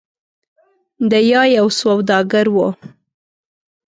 د ی یو سوداګر و.